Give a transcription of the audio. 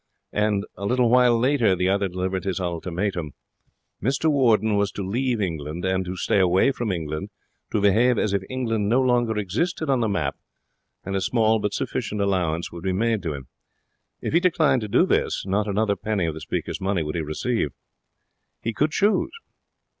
And a little while later the other delivered his ultimatum. Mr Warden was to leave England, and to stay away from England, to behave as if England no longer existed on the map, and a small but sufficient allowance would be made to him. If he declined to do this, not another penny of the speaker's money would he receive. He could choose.